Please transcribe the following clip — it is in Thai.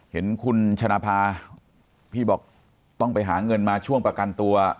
เห็นคุณชนะภาพี่บอกต้องไปหาเงินมาช่วงประกันตัว